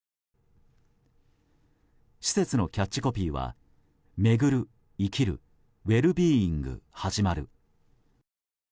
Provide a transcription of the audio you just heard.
施設のキャッチコピーは「巡る、活きる、ウェルビーイング、はじまる」。